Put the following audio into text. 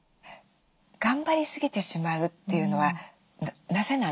頑張りすぎてしまうっていうのはなぜなんでしょうね？